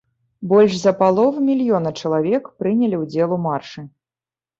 Больш за палову мільёна чалавек прынялі ўдзел у маршы.